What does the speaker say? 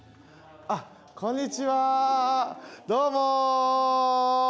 こんにちはどうも！